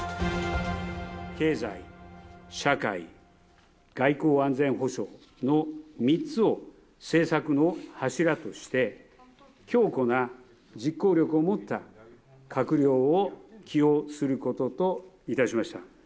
経済、社会、外交・安全保障の３つを政策の柱として、強固な実行力を持った閣僚を起用することといたしました。